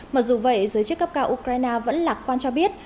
mặc dù vậy giới chức cấp cao ukraine vẫn lạc quan cho biết